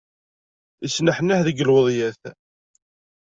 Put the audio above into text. Isneḥniḥ deg lweḍyat.